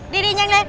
đi đi nhanh lên